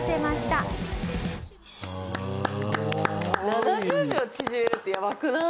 ７０秒縮めるってやばくない？